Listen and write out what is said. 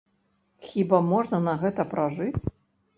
Хіба можна на гэта пражыць?